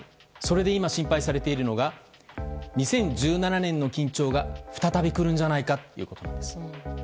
それで今、心配されているのが２０１７年の緊張が再びくるんじゃないかということなんです。